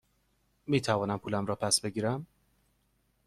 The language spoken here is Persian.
می توانم پولم را پس بگیرم؟